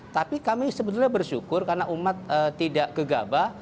tapi kami sebetulnya bersyukur karena umat tidak gegabah